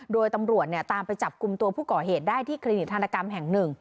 โดยตำรวจตามไปจับกลุ่มตัวผู้ก่อเหตุได้ที่คลินิกธนกรรมแห่งหนึ่ง